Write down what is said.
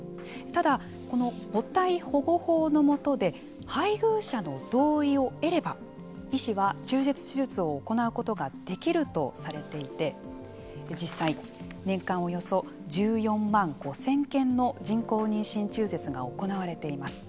ただ、この母体保護法のもとで配偶者の同意を得れば医師は中絶手術を行うことができるとされていて、実際年間およそ１４万５０００件の人工妊娠中絶が行われています。